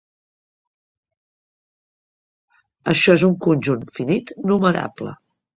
Això és un conjunt finit numerable.